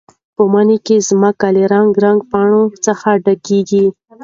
په مني کې ځمکه له رنګارنګ پاڼو څخه ډکېږي.